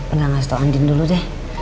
enggak ngasih tau andin dulu deh